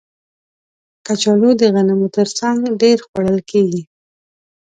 کچالو د غنمو تر څنګ ډېر خوړل کېږي